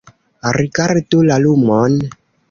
Rigardu la lumon